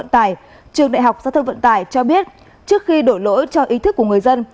trường đại học giao thông vận tài cho biết trước khi đổi lỗi cho ý thức của người dân